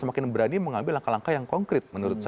semakin berani mengambil langkah langkah yang konkret